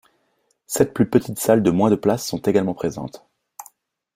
Sept plus petites salles de moins de places sont également présentes.